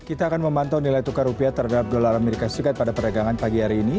kita akan memantau nilai tukar rupiah terhadap dolar as pada perdagangan pagi hari ini